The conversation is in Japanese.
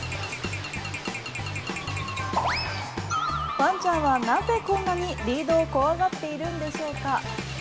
ワンちゃんはなぜ、こんなにリードを怖がっているんでしょうか。